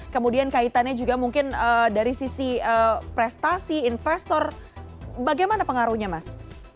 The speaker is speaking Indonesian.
kemudian kaitannya juga mungkin dari sisi prestasi investor bagaimana pengaruhnya mas